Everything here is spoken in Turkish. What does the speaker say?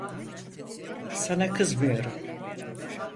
Sana kızmıyorum.